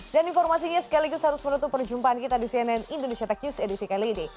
dan informasinya sekaligus harus menutup perjumpaan kita di cnn indonesia tech news edisi kali ini